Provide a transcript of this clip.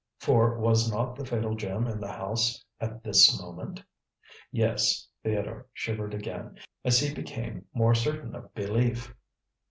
For was not the fatal gem in the house at this moment? Yes, Theodore shivered again, as he became more certain of belief.